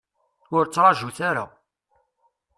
Ur ttraǧut ara.